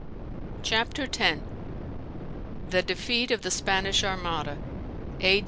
CHAPTER X. THE DEFEAT OF THE SPANISH ARMADA, A.